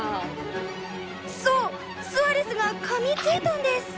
そうスアレスがかみついたんです！